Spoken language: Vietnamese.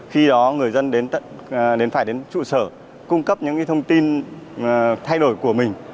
khi đó người dân đến phải đến trụ sở cung cấp những cái thông tin thay đổi của mình